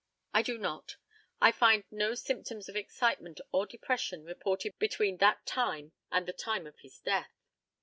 I do not. I find no symptoms of excitement or depression reported between that time and the time of his death.